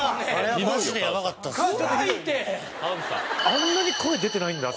あんなに声出てないんだと。